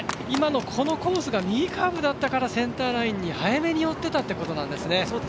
今のこのコースが右カーブだったからセンターラインに早めに寄ってたということですね。